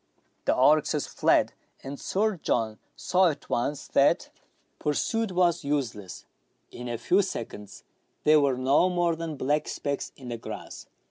The oryxes fled, and Sir John saw at once that pursuit was useless ; in a few seconds they were no more than black specks in the grass.